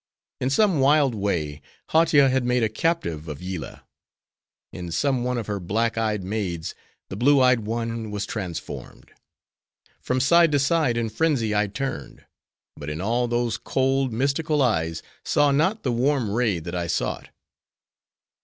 In some wild way, Hautia had made a captive of Yillah; in some one of her black eyed maids, the blue eyed One was transformed. From side to side, in frenzy, I turned; but in all those cold, mystical eyes, saw not the warm ray that I sought.